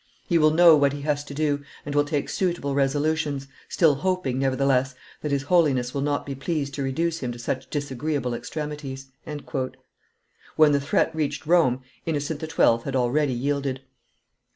He will know what he has to do, and will take suitable resolutions, still hoping, nevertheless, that his Holiness will not be pleased to reduce him to such disagreeable extremities." When the threat reached Rome, Innocent XII. had already yielded.